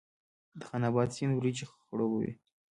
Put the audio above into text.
د خان اباد سیند وریجې خړوبوي